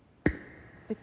えっ？